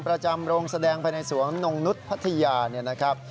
ประจำโรงแสดงฝั่งการไปในสวงงงงงุธปัฏยา